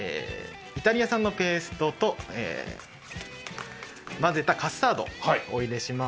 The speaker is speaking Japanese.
イタリア産のペーストと混ぜたカスタードお入れします。